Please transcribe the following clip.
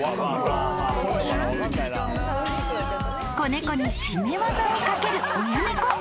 ［子猫に絞め技をかける親猫］